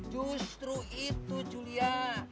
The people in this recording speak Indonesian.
justru itu julia